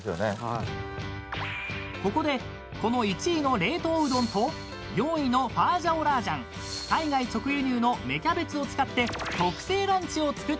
［ここでこの１位の冷凍うどんと４位の花椒辣醤海外直輸入の芽キャベツを使って特製ランチを作ってみました］